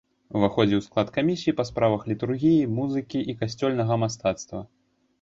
Уваходзіў у склад камісіі па справах літургіі, музыкі і касцёльнага мастацтва.